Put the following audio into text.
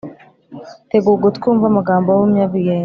tega ugutwi wumve amagambo y’umunyabwenge